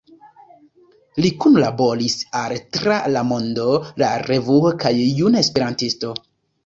Li kunlaboris al „Tra La Mondo“, „La Revuo“ kaj „Juna Esperantisto“.